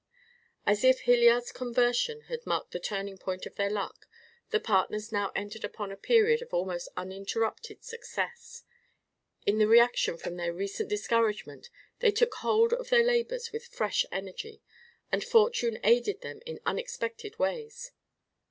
As if Hilliard's conversion had marked the turning point of their luck, the partners now entered upon a period of almost uninterrupted success. In the reaction from their recent discouragement they took hold of their labors with fresh energy, and fortune aided them in unexpected ways.